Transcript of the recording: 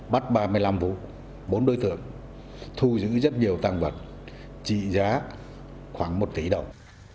bắt ba mươi năm vụ bốn đối tượng thu giữ rất nhiều tăng vật trị giá khoảng một tỷ đồng